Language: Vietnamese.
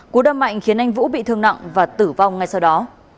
cú đâm mạnh khiến anh vũ bị thương nặng và tử vong ngay sau đó